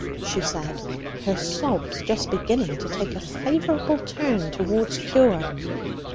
she said, her sobs just beginning to take a favourable turn towards cure.